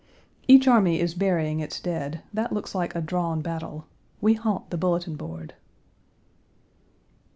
Each army is burying its dead: that looks like a drawn battle. We haunt the bulletin board.